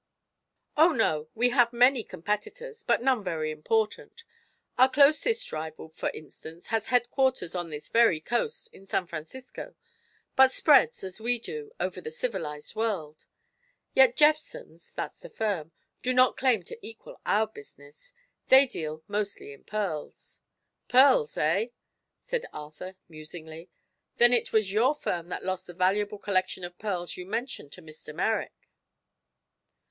"Oh, no; we have many competitors; but none very important. Our closest rival, for instance, has headquarters on this very coast in San Francisco but spreads, as we do, over the civilized world. Yet Jephson's that's the firm do not claim to equal our business. They deal mostly in pearls." "Pearls, eh?" said Arthur, musingly. "Then it was your firm that lost the valuable collection of pearls you mentioned to Mr. Merrick?"